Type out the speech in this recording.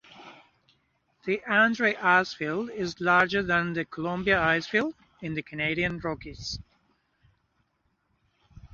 The Andrei Icefield is larger than the Columbia Icefield in the Canadian Rockies.